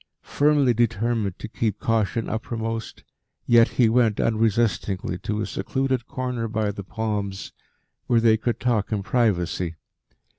Firmly determined to keep caution uppermost, yet he went unresistingly to a secluded corner by the palms where they could talk in privacy.